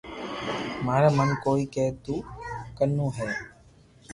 ماري من ڪوئي ڪي تو ڪنو ھي